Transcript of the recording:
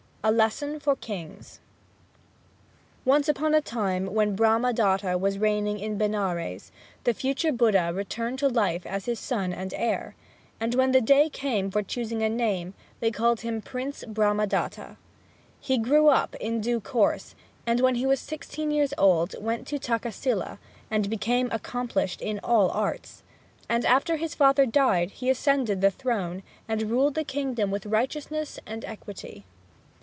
A Lesson for Kings Once upon a time, when Brahma datta was reigning in Benares, the future Buddha returned to life as his son and heir. And when the day came for choosing a name, they called him Prince Brahma datta. He grew up in due course; and when he was sixteen years old, went to Takkasila, and became accomplished in all arts. And after his father died he ascended the throne, and ruled the kingdom with righteousness and equity.